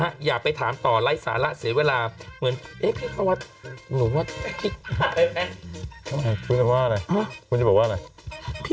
ฮะอย่าไปถามต่อไร้สาระเสียเวลาคุณว่านี่จะบอกว่าพี่